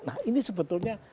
nah ini sebetulnya